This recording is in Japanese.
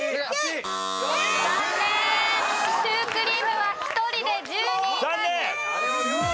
シュークリームは１人で１２位タイです。